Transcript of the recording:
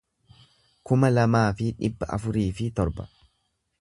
kuma lamaa fi dhibba afurii fi torba